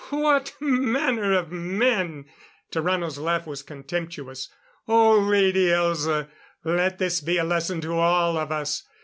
"What manner of men!" Tarrano's laugh was contemptuous. "Oh, Lady Elza, let this be a lesson to all of us!